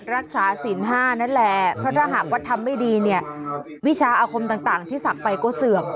รักษาศีล๕นั่นแหละเพราะถ้าหากว่าทำไม่ดีเนี่ยวิชาอาคมต่างที่ศักดิ์ไปก็เสื่อม